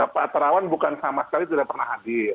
pak terawan bukan sama sekali tidak pernah hadir